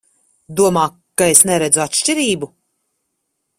Domā, ka es neredzu atšķirību?